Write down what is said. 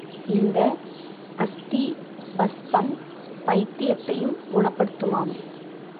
இந்த அஸ்தி பஸ்பம் பைத்தியத்தையும் குணப்படுத்துமாம்.